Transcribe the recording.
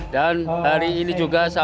dan hari ini juga